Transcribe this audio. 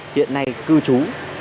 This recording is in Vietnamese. hiện nay cư trú